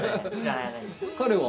彼は？